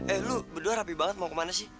eh lu berdua rapi banget mau kemana sih